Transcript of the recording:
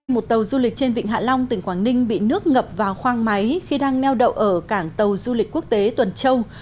một tàu du lịch trên vịnh hạ long tỉnh quảng ninh bị nước ngập vào khoang máy khi đang neo đậu ở cảng tàu du lịch quốc tế tuần châu